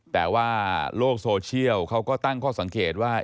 แต่ว่าโลกโซเชียลเขาก็ตั้งข้อสังเกตว่า